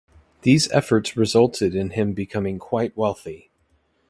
These efforts resulted in him becoming quite wealthy.